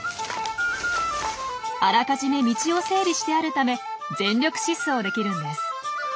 あらかじめ道を整備してあるため全力疾走できるんです。